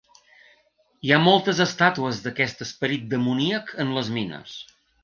Hi ha moltes estàtues d'aquest esperit demoníac en les mines.